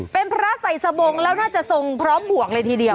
เป็นพระใส่สบงแล้วน่าจะทรงพร้อมบวกเลยทีเดียว